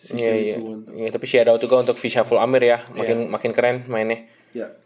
iya tapi shia dao juga untuk visha full amir ya makin keren mainnya